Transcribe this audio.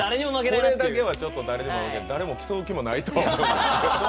これだけはちょっと誰も誰も競う気もないとは思います。